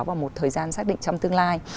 vào một thời gian xác định trong tương lai